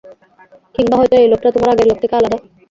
কিংবা হয়তো এই লোকটা তোমার আগের লোক থেকে আলাদা?